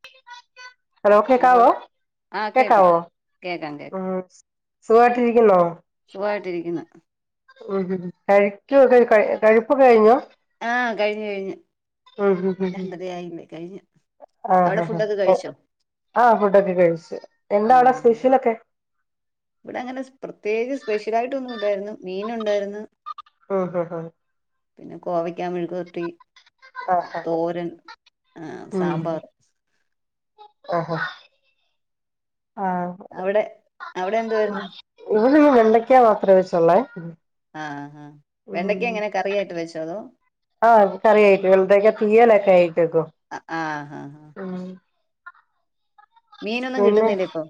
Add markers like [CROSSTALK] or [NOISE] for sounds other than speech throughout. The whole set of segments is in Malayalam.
[INAUDIBLE] ഹലോ കേക്കാവോ ആ കേക്കാം കേക്കാവോ കേക്കാം ഉം സുഖായിട്ടിരിക്കുന്നോ? സുഖായിട്ടിരിക്കുന്നു. ഉം കഴിക്കു ഒക്കെ കഴി, കഴിപ്പ് കഴിഞ്ഞോ? ആ കഴിഞ്ഞ് കഴിഞ്ഞ്. ഉം ഉം ഉം ആ അവിടെ ഫുഡൊക്കെ കഴിച്ചോ ആ ഒക്കെ കഴിച്ച്. ആ അ ഇവിടങ്ങനെ പ്രത്യേകിച്ച് സ്പെഷ്യൽ ആയിട്ട് ഒന്നുവില്ല. യിരുന്നു മീനുണ്ടായിരുന്നു. ആ ആ ആ പിന്നെ കോവയ്ക്ക് ക്കാമെഴുക്കുവരട്ടി, ആഹ് ആഹ് തോരൻ ആ സാമ്പാർ. ആ ആ ആ അവിടെ അവിടെ എന്തുവായിരുന്നു ഇവടെ ഈ വെണ്ടയ്ക്കാ മാത്രേ വെച്ചൊള്ളേ. ആ ആ ഉം ആ കറി ആയിട്ടു ഇവിടൊക്കെ തീയലായിട്ടാ വെയ് അ ആ. ഉം മീനൊന്നും പിന്നെ കിട്ടുന്നില്ലിപ്പൊ.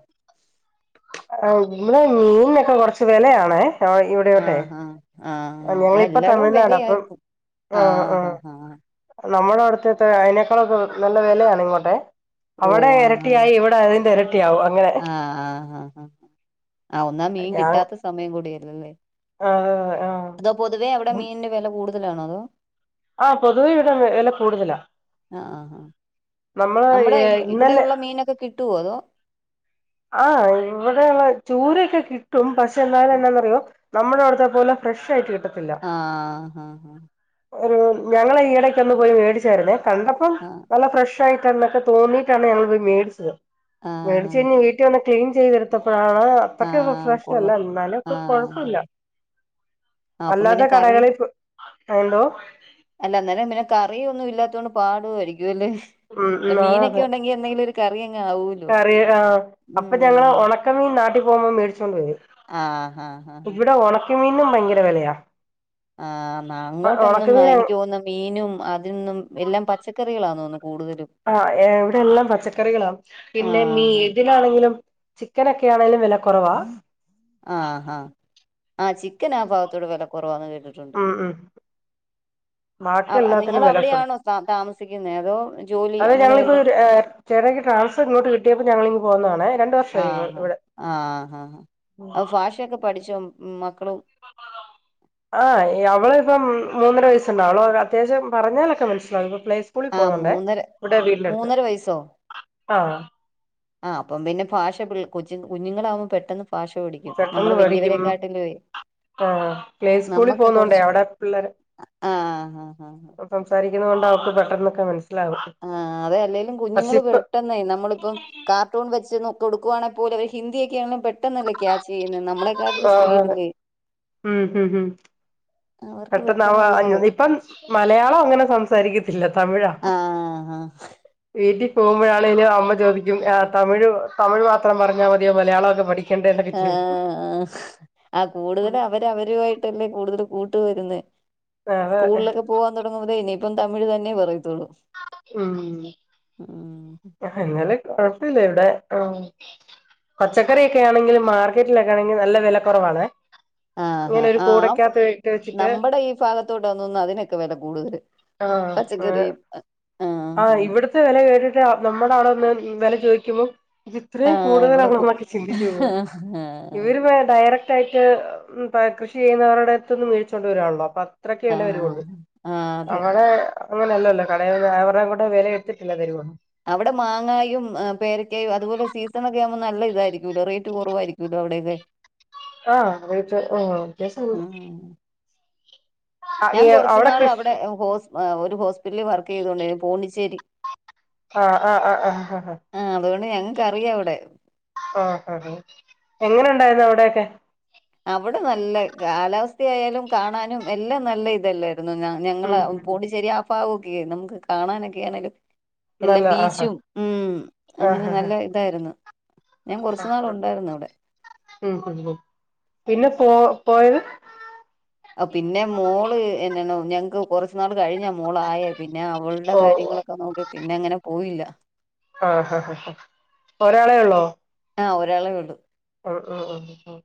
ആ ഇവിടെ മീനിനൊക്കെ കുറച്ച് വെലയാണേ ഇവിടെയോട്ടെ. ആഹ് ആഹ് ആ ആഹ് ആഹ് ഞങ്ങളിപ്പ എല്ലായിടവും തമിഴ്നാടാ അപ്പം വിലയായിപ്പോ ആ ആ. ആഹ് ആഹ് ആഹ് നമ്മുടെ അവിടുത്തെയൊക്കെ അയിനേക്കളൊക്കെ നല്ല വെലയാണെ ഇങ്ങോട്ടെ. അവിടെ എരട്ടിയായി ഇവിടതിന്റെരട്ടി ആ ആ ആ ആ. ആ ഒന്നാത് മീൻ ഞാൻ കിട്ടാത്ത സമയം കൂടിയല്ലേല്ലേ? ആ ആ അതോ പൊതുവേ അവിടെ മീനിന്റെ വെല കൂടുതലാണോ അതോ? ആ പൊതുവെ ഇവിടെ വെ വെലക്കൂടുതലാ. ആ ആ ആ നമ്മുടെ ഇവിടെ ഇന്നലെ ഉള്ള മീനൊക്കെ കിട്ടുവോ അതോ? ആ ഇവിടെ ചൂരയൊക്കെ കിട്ടും പക്ഷെ എന്നാലും എന്നാന്നറിയോ നമ്മുടെ വിടുത്തെ പോലെ ഫ്രഷ് കി ആഹ് ആഹ് ഒരു ഞങ്ങള ഈടക്ക് ഒന്ന് പോയി മേടിച്ചായിുന്നേ കണ്ടപ്പം ആ നല്ല ഫ്രഷ് ആയിട്ട് ക്കെ തോന്നീട്ടാണ് ഞൾ പോയി മേടിച്ചത് ആ ഹാ മേടിച്ച കയിഞ് വീട്ടിൽ വന്ന ക്ലീൻ ചെയ്തത്തപ്പോ ആഹ് ആ അത്രക്ക റിഫ്രഷല്ല കൊള്ളാം എന്നാലും ആ ഒക്കെ ആ കൊഴപ്പില്ല ആ അപ്പം പിന്നെ അല്ലാതെ കറി കടകളിൽ എന്തോ അല്ല അന്നേരം പിന്നെ കറിയ ഒന്നും ഇല്ലാത്തോണ്ട് പാടമായിരിക്കുംല്ലേ ഉം ആതെറിയ അങ്ങ് ആവൂലോ കറി ആഹ് അപ്പൊ ഞങ്ങള് ഉം ഉണക്കമീ പോകുമ്പോ മേിച്ചുകണ്ടരും ആഹ് ആഹ് ആഹ് മീനും ഭയങ്കര വിലയാ ആഹ് അങ്ങോട്ടൊന്നും എനിക്ക് പോകുന്ന മീനും അതിൽ നിന്നും എല്ലാം പച്ചക്കറികളാ തോന്നുന്നു കൂടുതലും ആഹ് എവിടെ എല്ലാം പച്ചക്കറികളാണ് ആ പിന്നെ മീ ഹാ തിനാണെങ്കിലും ചിക്കനൊക്കെ ആണേലും വില കുറവാ ആഹാ ആഹ് ചിക്കൻ ആഹ് ഭാഗത്തോടെ വില കുറവാന്ന് കേട്ട ഉം ഉം ബാക്കി ആ നിങ്ങൾ എല്ലാത്തിനും വില കൊട അവിടെയാണോ താമസിക്കുന്നത് അതോ ജോലി അത അങ്ങനെ ഞങ്ങളിപ്പോ വല്ല ചേടക്കിട്ട ട്രാൻസ്ഫർ ഇങ്ങോട്ട് കിട്ടിയപ്പോൾ ഞങ്ങളിങ്‌ പോന്നതാണെ ആഹ ആഹഹാാ അപ്പ ഫാഷ ഒക്കെ പഠിച്ചോ മക്കളും ആഹ് അവള് ഇപ്പം മൂന്നര വസ്സണ്ടാവു അത്യാവശം പറഞ്ഞാലൊക്കെ മനസ്സിലാകും പ്ലേ സ്കൂളിൽ ആ പോന്നുണ്ടേ മൂന്നര ഇവിടെ വീടിനടുത്ത് മൂന്നര വയസ്സോ ആ ആ അപ്പം പിന്നെ ഭാഷ കൊച്ചു കുഞ്ഞുങ്ങളാാവുമ്പോം പെട്ടെന്ന് പാഷ പടിക്കും നമ്മള് വല്യവരെ കാട്ടില പോ ആ പ്ലേ സ്കൂളിൽ പോന്നോണ്ടേ അവിടെ പിള്ളേര് ആ ആ ആ സംസാരി ണ്ട് അവക്ക് പെട്ടന്നൊക്കെ മനസ്സി ആ അതെ അല്ലേലും കുഞ്ഞുങ്ങള് പെട്ടെനെ നമ്മളിപ്പം കാർട്ടൂൺ വെച്ചന്ന് കൊടുക്കുണെ പോല അവര് ഹിന്ദിയൊക്ക ആണങ്കിലുംപെട്ടെന്നല്ലെ ക്ലാസ് ചെയ്യുന്ന നമ്മളെക്കാട്ടില് ആഹ് സ്പീഡല്ലേ പെട്ടെന്ന അ ഇപ്പം മലയാളം അങ്ങനെ സംസാരിക്ക ഇല്ല തമിഴാ ആഹ് വീട്ടി പോകുമ്പോഴാണെങ്കും അമ്മ ചോദിക്കും ആ തമിഴ് തമിഴ് മാത്രം പറഞ്ഞാൽ മതിയോ മലയാളമൊക്കെ പഠിക്കും ആ ആ കൂടുതല അവരവരുയിട്ടല്ലേ കൂടുതൽ ക്കു അതെ സ്കൂളിലൊക്കെ പോവാൻ തുടങ്ങുമ്പ ഇനിയിപ്പം തമിഴ് തന്നെ പറയത്തുള്ളൂ ഉ ഉം എന്നാലെ കുഴപ്പില്ലാ പച്ചക്കറി യൊക്കെ ആണെങ്കിലും മാർക്കറ്റിലൊക്കെ ആണെങ്കിൽ നല്ല വില കുറവാണ് ആഹഹാ ഇങ്ങനെ ഒരു ആ ആ കൂടക്കകത്ത് ഇട്ട് വെച്ചിട്ട് നമ്മുടെ ഈ ഭാഗത്തോട്ടന്ന അതിനൊക്കെ വില കൂടുതല് ആഹ് പച്ചക്കറിയും എ ആഹ് ഇവിടത്തെ വില കേറിട്ട് നമ്മുടെ ആള ഒന്ന് വില ചോദിക്കുമ്പോ ഇത്രയും ആഹ് ഇവിടെ കൂടുതലാണോ എന്നൊക്കെ ചിന്തിച്ചള്ള ആഹ് ഇവര് ഡയറക്ട് തായിട്ട് അപ്പൊ കൃഷി ചെയ്യുന്നവരുടെ അടുത്തുന്നവീഴിച്ചുകൊണ്ട വരിവാണല്ലോ അപ്പൊ അത്രയ്‌ക്കേ ആഹ് വില വരുവൊള്ളൂ ആഹ് ആ അതെ അവിടെഅങ്ങനെയല്ലല്ലോ കടയിൽ അടെവിടെ വിലയ എടുത്തിട്ടില്ല തരുവ അവിടെ മാങ്ങായും പേരക്കായും അതുപോലെ സീസണ ഒക്കെ ആവുമ്പോ നല്ല ഇതാരിക്കുലോ റേറ്റ് കുറവാരിക്കുല്ലോ അവിടെയൊക്കെ ആഹ് റേറ്റ് ആഹ്‌ അത്യാ [UNINTELLIGIBLE] ഉം ഞാൻ കൊറച്ചു നാൾ കൃഷി അവിടെ ഹോസ് ഒരു ഹോസ്പിറ്റലിൽ വർക്ക് ചെയ്തോണ്ടിരുന്നു പോണ്ടിച്ചേരി ആഹ് ആഹ് ആഹ് ആഹ് ഹാ ആ അതുകൊണ്ട് ഞങ്ങൾക്കറിയാം അവിടെ ആഹ് ആഹാ എങ്ങനെ ഒണ്ടാരുന്നു അവിടെക്കെ അവിടെ നല്ല കാലാവസ്ഥയാലും കാണാനും എല്ലാം നല്ല ഇതല്ലേ [UNINTELLIGIBLE] ഞങ്ങളാ ഉം ഉം പോണ്ടിച്ചേരി ആ ഫാഗ ഒക്കെ നമുക്ക് കാണാനൊക്കെ ആണേലും എല്ല നല്ല ആഹാ ബീച്ചും ഉം ആഹ് അങ്ങനെ ആഹ് നല്ല ഇതാരുന്നു ഞാൻ ആഹ് കൊറച്ചു നാൾ ആഹ് ഒണ്ടായിരുന്നു അവിടെ ഉം ഉം ഉം പിന്നെ പോ പോയത് ആ പിന്നെ മോള് എന്നാണ്ണോ ഞങ്ങക്ക് കൊറച്ച് നാള് കഴിഞ്ഞാ മോൾ ആയേ പിന്നെ അവളുടെ ഓ കാര്യങ്ങളൊക്ക നോക്കി പിന്നെ അങ്ങനെ പോയില്ല ആഹ് ആഹ് ആഹ് ഒരാളെ ഒള്ളോ ആഹ് ഒരാളെ ഒള്ളൂ ആഹ് അഹ് ആഹ്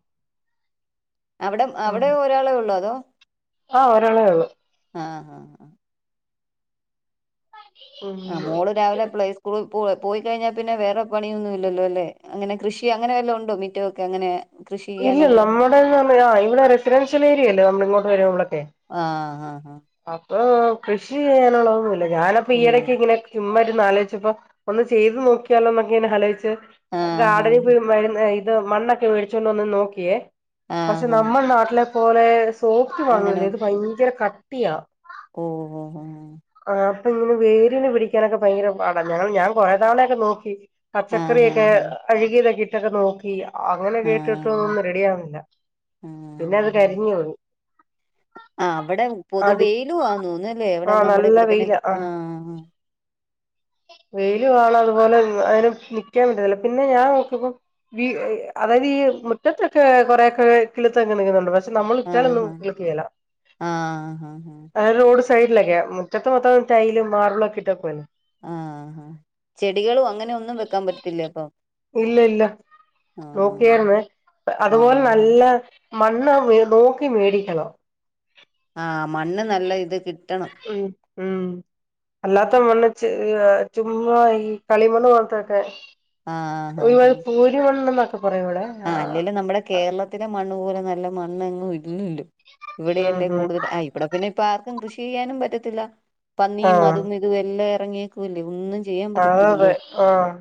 അവിടെം അവിടേം ഒരാളേ ഒള്ളോ അതോ ആഹ് ഒരാളേ ഒള്ളു ആഹ് ആഹ് ആഹ് ഉം ആഹ് മോള് രാവിലെ പ്ലെ സ്കൂള് സ്‌കൂള് പോയി കഴിഞ്ഞാ പിന്നെ വേറെ പണിയൊന്നും ഇല്ലല്ലോ അല്ലേ അങ്ങനെ കൃഷി അങ്ങനെ വല്ലോം ഒണ്ടോ മിറ്റോക്കെ അങ്ങനെ കൃഷി ഇല്ല ചെയ്യാനുള്ള നമ്മുടെന്ന് പറഞ്ഞാ ആ ഇവിടെ റെസിഡൻഷ്യൽ ഏരിയല്ലേ നമ്മള് ഇങ്ങോട്ട് വരുമ്പളക്കേ ആഹ് ആഹ് ആ കൃഷി ചെയ്യാനുള്ള ഒന്നുമില്ല ഞാനപ്പ ഈയിടക്ക് ഒന്നുമില്ല ഇങ്ങനെ ചുമ്മാര് ന്ന് ആലോചിച്ചപ്പോ ഒന്ന് ചെയ്ത് നോക്കിയാലൊന്നക്കെ എന്ന് അലോയിച്ച് ആ അ ആ ഗാർഡനി പോയ് [UNINTELLIGIBLE] ഇത് മണ്ണൊക്കെ മേടിച്ചോണ്ട് വന്ന് നോക്കിയേ ആ പക്ഷെ ആ നമ്മളെ നാട്ടിലെ പോലെ സോഫ്റ്റ് അങ്ങനെ മണ്ണല്ലേ ഇത് ഭയങ്കര കട്ടിയാ ഓ ഓ ഓ ആഹ് അപ്പൊ ഇങ്ങനെ വേരിന് പിടിക്കാനൊക്ക ഭയങ്കര പാടാ ഞങ്ങള് ഞാൻ കൊറേ തവണയൊക്കെ നോക്കി ആ ആ പച്ചക്കറിയൊക്കെ അഴുകിയതൊക്കെ ഇട്ടക്ക നോക്കി അങ്ങനെ ആ ആ കേട്ടിട്ടൊന്നും റെഡി ആവുന്നില്ല ആ പിന്നെ അത് കരിഞ്ഞ് പോയ് ആഹ് അവടെ പൊതുവെയിലു ആന് തോന്നുല്ലേ ഇവിടെ നമ്മുടെ ഇവിട് വെയ്ലാ ആഹ് വെയിലുവാണ് അതുപോലെ അയിന് നിക്കാൻ പറ്റുന്നില്ല പിന്നെ ഞാൻ നോക്കിയപ്പോ വീട് ഇഹ് അതായത് ഈ മുറ്റത്തൊക്കെ [UNINTELLIGIBLE] കൊറേക്കെ കിളിർത്ത് അങ്ങ് നിക്കുന്നൊണ്ട് പക്ഷെ പക്ഷെ നമ്മള് ആ ആ ഇട്ടാലൊന്നും കിള്ക്കേല ആ ആ [UNINTELLIGIBLE] റോഡ് സൈഡിലക്കെ മ് റ്റത്ത് മൊത്തോം ടൈലും, മാർബിളും ഒക്കെ ഇട്ടേക്കുവല്ലേ ആഹ് ആഹ് ചെടികളും അങ്ങനെ ഒന്നും വെക്കാൻ പറ്റത്തില്ലേ അപ്പൊ ഇല്ല ഇല്ല നോക്കിയാര്ന്നേ ആ അതുപോലെ നല്ല മണ്ണ് വേ നോക്കി മേടിക്കണം ആഹ് മണ്ണ് നല്ല ഇത് കിട്ട് ഉം ഉം അല്ലാത്ത മണ്ണ് ചെ ഏഹ് ചുമ്മാ ഈ കളിമണ്ണ് പോലത്തെയൊക്കെ ആഹ് ഹാ ഒരു ഹാ മാതിരി പൂരി മണ്ണ്ന്നൊക്കെ ആഹ് അല്ലേലും നമ്മടെ കേരളത്തിലെ മണ്ണ് പോലെ നല്ല മണ്ണ് എങ്ങും ഇല്ലല്ലോ ഉം ഇവിടെയല്ലേ ഹും കൂടുതൽ ആഹ് ഇവിട പിന്നെ ഇപ്പ ആർക്കും കൃഷി ചെയ്യാനും പറ്റത്തില്ല പന്നിയും ആഹ് അതും ഇതും എല്ലാം എറങ്ങിയേക്കുവല്ലേ ഒന്നും ചെയ്യാൻ പറ്റത്തില്ലല്ലോ അതതെ ആഹ്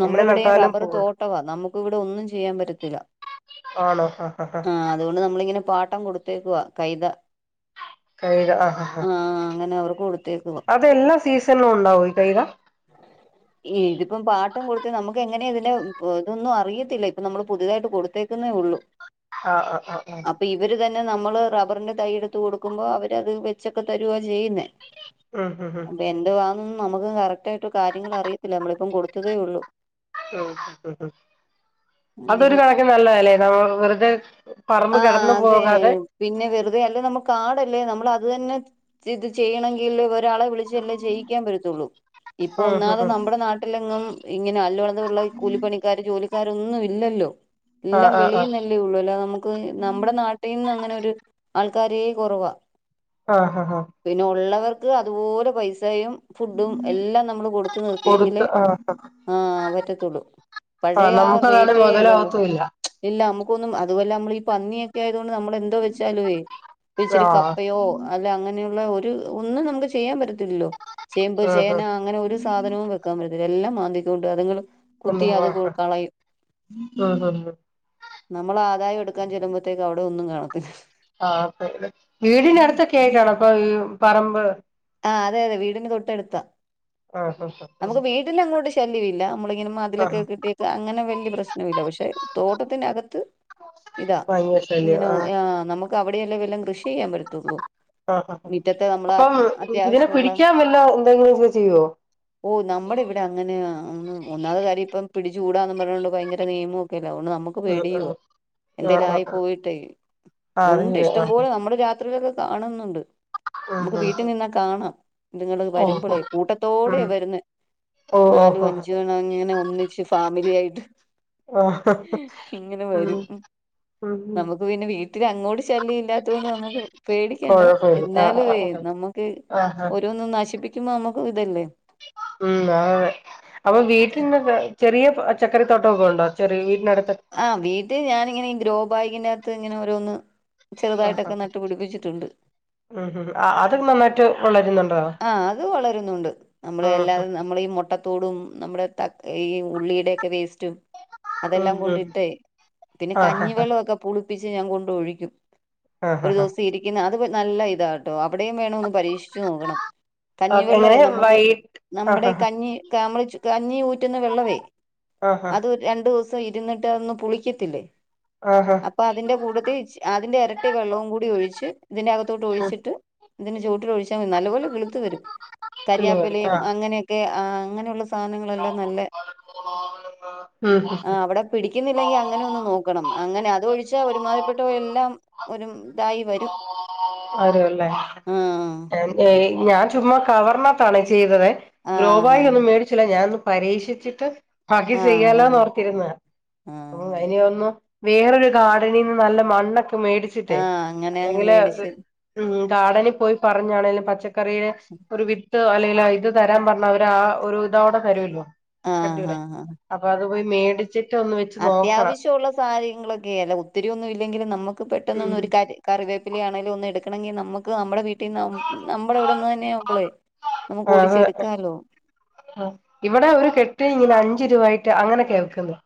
നമ്മുടെ എന്നെ ഇവിടെ നട്ടാലും റബ്ബർ പൂവും തോട്ടവാ നമ്മുക്ക് ഇവിടെ ഒന്നും ചെ പറ്റത്തില്ല ആഹ് അതു കൊണ്ട് നമ്മളിങ്ങനെ പാട്ടം കൊടുത്തേക്കുവാ കൈത കൈത ആഹ് ആഹ് ആഹ് അങ്ങനെ അവർക്ക് കൊടുത്തേക്കുവാ അതെല്ലാ സീസണിലും ഒണ്ടാവോ ഈ കൈത ഏ ഇതിപ്പം പാട്ട് ട്ടം കൊടുത്ത് നമ്മക്ക് എങ്ങനെ ഇതിന്റെ പ്പൊതൊന്നും അറിയത്തില്ല ഇപ്പ നമ്മള് പുതുതായിട്ട് കൊടുത്തേക്കുന്നേ ഒള്ളൂ ആഹ് ആ ആ ആ പിന്നെ നമ്മള് റബ്ബറിന്റെ തൈ എടുത്ത് കൊടുക്കുമ്പോ അവരത് വെച്ചൊക്ക തരുവാ ചെയ്യുന്നെ ആഹ് ഉം ഉം നമ്മക്കും കറക്റ്റ് ആയിട്ട് കാര്യങ്ങൾ അറിയത്തില്ല നമ്മളിപ്പം കൊടുത്തതേ ഒള്ളു ഉം ഹും ഹും അതൊരു കണക്കിന് നല്ലതല്ലേ നമ്മള് വെറുതെ പറമ്പ് ആ കെടന്നു അതെ പോകാതെ പിന്നെ വെറുതെ അല്ല നമ്മക്ക് കാടല്ലേ നമ്മൾ അത് തന്നെ ഇത് ചെയ്യണെങ്കിൽ ഒരാളെ വിളിച്ചല്ലേ ചെ യ്യിക്കാൻ പറ്റത്തുള്ളൂ ഇപ്പൊ ഉം ഹും ഒന്നാമത് ഹും നമ്മുടെ നാട്ടിലെങ്ങും ഇങ്ങനെ അല്ലത്ള്ള കൂലിപ്പണിക്കാർ ജോലി ക്കാരൊന്നും ഇല്ലല്ലോ ആഹ് എല്ലാം ആഹ് ആഹ് വെളിയും നല്ലേ ഉള്ളൂ അല്ല നമുക്ക് നമ്മുടെ നാട്ടിൽ നിന്നന്ന് അങ്ങനെ ഒരു ആൾക്കാരേ കുറവ ആഹ് ആഹ് ആഹ് പിന്നെ ഉള്ളവർക്ക് അതുപോലെ പൈസ സയും ഫുഡും എല്ലാം നമ്മള് കൊടുത്ത നിർത്തിെങ്കില് കൊടുത്ത് ആഹ് ആഹ് പറ്റത്തുള്ളൂ ആഹ് പഴയ ആ നമുക്കതാണ് റേറ്റ് അല്ലല്ലോ മുതലാവത്തൂല്ല ഇല്ല നമുക്ക് ന്നും അതുമല്ല നമ്മൾഈ പന്നിയൊക്കെ ആത നമ്മള് എന്ത് വെച്ചാലുവേ ഇപ്പൊ ഇച്ചിരി ആഹ് കപ്പയോ അല്ല അങ്ങനെയുള്ള ഒ ഒരു ഒന്നും നമുക്ക് ചെയ്യാൻ പറ്റത്തില്ലോ ആഹ് ചേന അങ്ങനെ ഒരു സാധനവും വെക്കാൻ പറ്റത്തില്ല എല്ലാം മാന്തിക ഉണ്ട് അങ്ങളും കുത്തി ഒന്നും അത് ആഹ് കളയും ഉം ഉം നമ്മൾ ആദായം എടുക്കാ ചെല്ലുമോഴത്തേക്ക് അവിടെ ഒന്നും കാണത്തില്ല ആ വീടിനടുത്തൊക്കെ ആയിട്ടാണോ അപ്പൊ പറമ്പ് ആ അതെ അതെ വീടിന് തൊട്ട ടുത്താ ആഹ് ആഹ് നമുക്ക് ആഹ് വീട്ടിന അങ്ങോട്ട് ശല്യമ ഇല്ല നമ്മള ഇങ്ങനെ മതിലൊക്കെ ആഹ് കിട്ടിയേക്ക അങ്ങനെ വലിയ പ്രശ്നവ ഇല്ല പക്ഷെ തോട്ടത്തികത്ത് ഇതാ ഭയങ്കര ശല്യം ഇങ്ങനെ ആഹ് നമുക്ക് അവിടെയല്ലാംല്ലാം കൃഷി ചെയ്യാൻ പറ്റത്തുള്ളൂ ആ ആ മുറ്റത്തെ നമ്മളെ അപ്പം ഇതിനെ അത്യാവശ്യമുള്ള പിടിക്കാൻ വല്ല എന്തെങ്കിലും ഇ ചെയ്യുവോ ഓ നമ്മുടെ ഇവിടെ അങ്ങനെ ഒന്നാമ കാര്യം ഇപ്പം പിടിച്ചുകൂടാന്ന് പറഞ്ഞോണ്ട് ഭയങ്കര നിയമോ ല്ല നമുക്ക് ഉം പേടിയുവാ ഉം എന്തേലും ആഹ് ആഹ് ആയി ആഹ് പോയിട്ടേ ആഹ് ഫുണ്ട് അതില്ലേ ആഹ് ഇഷ്ടംപോലെ നമ്മുടെ രാത്രിയിലൊക്കെ കാണുന്നുണ്ട് നമുക്ക് ആഹ് വീട്ടിൽ ആഹ് നിന്നാ കാണാം നിങ്ങ ഓഹോ വരുമ്പോളേ കൂട്ടത്തോട് അടെ ഉം വുന്ന ഓഹ് നാലും ഓഹോ അഞ്ചുണം അങ്ങനെ ഒന്നിച്ച് ഫാമിലി ആയിട്ട് ആഹ് ഇങ്ങനെ ഉം വരും ഉം നമുക്ക് പിന്നെ വീട്ടിൽ അങ്ങോട്ട് ശല്യം ഇല്ലാത്ത കൊണ്ട് നമുക്ക് പേടിക്കണ്ട കൊഴപ്പമില്ല ആഹ് എന്നാലും ആഹ് നമുക്ക് ആഹ് ആഹ് ഓരോന്നും നശിപ്പിക്കുമ്പോ നമുക്ക് ഇതല്ലേ ഉം അപ്പൊ വീട്ടന്നൊക്കെ ചെറിയ ചച്ചക്കറി തോട്ടമൊക്കെ ഉണ്ടോ ചെറ വീട്ടിനത്ത് ആ വീട്ട ഞാനിങ്ങനെ ഗ്രോ ബാകിന്റെകത്ത് ഇങ്ങനെ ഓരോന്ന് ആ ചെറുതായിട്ടൊക്കെ നട്ടു പിടിപ്പിച്ചിട്ടുണ്ട് ഉം അത് നന്നായിട്ട് വളരുന്നുണ്ട് ആ അത് വളരുന്നുണ്ട് നമ്മള് ആഹ് എല്ലാതും നമ്മളീഈ മുട്ട ത്തോടും നമ്മുടെ ത ഈ ഉള്ളിയുടെൊക്കെ വേസ്റ്റ് ഉം അതെല്ലാം ഉം കൊണ്ടിട്ടേ പിന്നെ ആഹ് കഞ്ഞിവെള്ളൊക്കെ ച്ച് ഞാൻ കൊണ്ടഴിക്കും ആഹ് ആഹ് ഒരു ആഹ് ദിവസം ഇരിക്കുന്ന അത് നല്ല ഇതാ കേട്ടോ അവിടെേയും വേണോന്ന് പരീക്ഷിച്ചോ ആഹ് കഞ്ഞിവെള്ളമേ എങ്ങനെ നമുക്ക് വൈറ്റ് ആഹ് നമ്മുടെ ആഹ് കഞ്ഞി മ കഞ്ഞി ഊറ്റുന്ന വെള്ളമേ ആഹ് അത് രണ്ടു ദിവസം ഇരുന്നിട്ട് അതൊന്നും പുളിക്കത്തില്ലേ ആഹ് ആഹ് അപ്പൊ അതിന്റെ കൂടെത്തി അതിന്റെ ഇരട്ടി വെള്ളവും കൂടി ഒഴിച്ച് ഇതിന്റെകത്തോട്ട് ഉം ഒഴിച്ചിട്ട് ഇതി ചോട്ട് ഒഴിച്ചാൽ നല്ല കിള്ത്ത് വരും കരിയാപ്പലും ആഹ് അങ്ങനെയൊക്കെ അങ്ങനെയുള്ള സാധാനങ്ങളല്ലാം നല്ല ഉം ആ അവിടെ പിടിക്കുന്നില്ലെങ്കി അങ്ങനെ ഒന്ന് നോക്കണം അങ്ങനെ അതൊഴിച്ചാ ഒരുമാതിപ്പെട്ട എല്ലാം ഒരു ഇതായി വരും വ രുവല്ലേ ആഹ് ഞാൻ ചുമ്മ കവർണത്താണ ചെയ്തതെ ആഹ് ഗ്രോബായി ഒന്നും മേടിച്ചില്ല ഞാനൊന്ന് പരീക്ഷിച്ചിട്ട് ബാക്കി ആഹ് ആഹ് ആഹ് ചെയ്യാലോന്നോഓർത്തിരുന്ന യം ആഹ് അനൊന്നു വേറൊരു ഗാർഡനിൽ നിന്ന് നല്ല മണ്ണൊക്കെ മേടിച്ചിട്ടേ ആഹ് അങ്ങനെ അങ്ങ് അല്ലെങ്കില് മേടിച്ച് ഉം ഗാർഡനിൽ പോയി പറഞ്ഞാണെേലും പച്ചക്കറെ ഒരു അല്ലെങ്കിൽ ഇത് തരാൻ പറഞ്ഞ അവര് ആ ഒരു ഇതവിടെ തരുല്ലോ ആഹ ആഹ് ആഹ് പോയി മേടിച്ച് അത്യാവശ്യമുള്ളള്ള സാഹചയങ്ങളൾൊക്കെ അല്ല ഒത്തിരിയൊന്നും ഇല്ലെങ്കിലും നമുക്ക് പെട്ടെന്നൊന്നും ഉം ഒരു ക കറിവ ആണെങ്കും ഒന്ന് എടുണെങ്ക നുക്ക് നമ്മുടെ വീ ട്ട നമ്മുടെ ഇവിടെന്ന് തന്നെയവുമ്പളെ നമുക്ക് ആഹ് ഓടിച്ചെടുക്കാലോ ഇവിടെ ഒരു കെട്ട ഇങ്ങനെ അഞ്ച രൂപ ആട്ട് അങ്ങനെ കേൾക്കുന്നു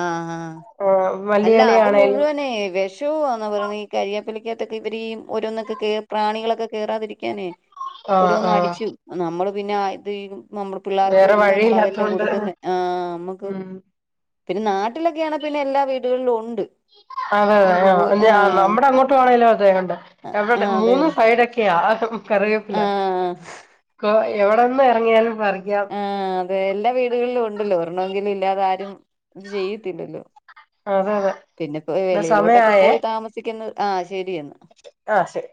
ആഹ ആ ആഹ് അല്ല അത് മല്ലിയിലയാണേലും മുഴുവനേ വെഷവുംവാന്നാ പറയഞ്ഞ ഈ കാര്യ പ്പലിക്കാത്തൊക്കെ ഇവര് ഓരോന്നൊെ പ്രാണികളൊക്കെ കേയറാതിരിക്കാനേ ആഹ് ഓരോന്ന് ആഹ് അടിച്ചു നമ്മള് പിന്നെ ഇത് നമ്മള് പിള്ളേർക്കും വേറെ എല്ലാം നമ്മൾ അതെല്ലാം വഴിയില്ലാത്തോണ്ട് കൊടുക്കുന്ന ആഹ നമ്മുക്ക് ഉം പിന്നെ നാട്ടിലൊക്കെയ ആണ പിന്നെ എല്ലാ വീടുകളിലും ഉണ്ട് അതെ നമുക്ക് പോയി അതെ ആ നമ്മുടെ ആഹ് അങ്ങോട്ട് വേണെലും അതെണ്ട് എവിടെ ആഹ് അതെ മൂന്ന് സൈഡൊക്കെയാ കറിവേപ്പില ആഹ് എവിടെന്ന് ഇറങ്ങിയാലും പറിക്കാം ആഹ അത എല്ലാ വീടുകളിലും ഉണ്ടല്ലോ ഒരെണ്ണമെങ്കിലും ഇല്ലാതെ ആരും ഇത് ചെയ്യത്തില്ലല്ലോ അതെ അതെ പിന്നെപ്പോ എന്നാ വെളയിലോട്ടൊക്കെ പോയി താമസിക്കുന്നത് ആഹ ശരിയെന്ന ആഹ ശെരി